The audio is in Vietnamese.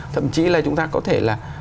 thậm chí là chúng ta có thể là